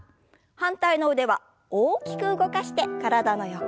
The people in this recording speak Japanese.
反対の腕は大きく動かして体の横。